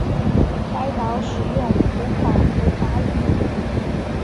该岛使用普卡普卡语。